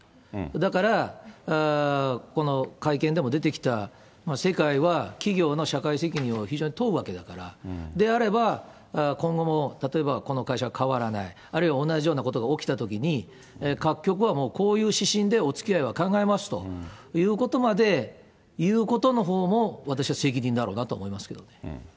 だから、この会見でも出てきた、世界は企業の社会責任を非常に問うわけだから、であれば、今後も例えばこの会社変わらない、あるいは同じようなことが起きたときに、各局はもう、こういう指針でおつきあいは考えますということまで、いうことのほうも私は責任だろうなと思いますけどね。